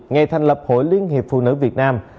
ngày thành lập hội liên hiệp phụ nữ việt nam